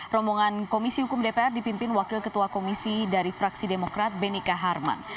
rombongan komisi hukum dpr dipimpin wakil ketua komisi dari fraksi demokrat benika harman